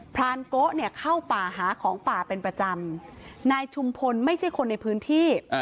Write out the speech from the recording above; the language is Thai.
รานโกะเนี่ยเข้าป่าหาของป่าเป็นประจำนายชุมพลไม่ใช่คนในพื้นที่